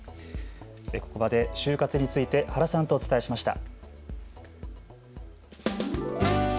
ここまで終活について原さんとお伝えしました。